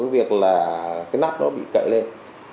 cái việc là cái nắp đó bị cậy lên